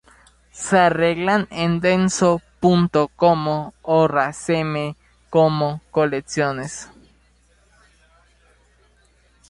Se arreglan en denso punto-como o raceme-como colecciones.